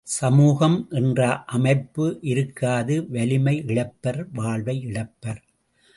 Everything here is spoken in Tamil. சமூகம் என்ற அமைப்பு இருக்காது வலிமை இழப்பர் வாழ்வை இழப்பர்.